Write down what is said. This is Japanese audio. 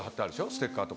ステッカーとか。